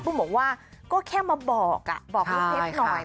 ปุ้มบอกว่าก็แค่มาบอกแพบหน่อย